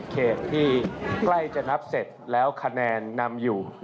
เขตที่ใกล้จะนับเสร็จแล้วคะแนนนำอยู่